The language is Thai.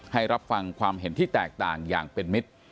รับฟังความเห็นที่แตกต่างอย่างเป็นมิตร